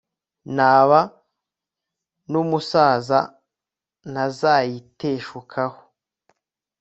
naba n'umusaza ntazayiteshukaho